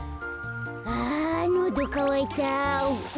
あのどかわいた。